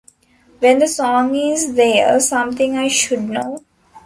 When the song Is There Something I Should Know?